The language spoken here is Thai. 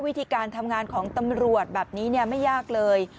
วิธีการทำงานของตำรวจแบบนี้ไม่ยากเลย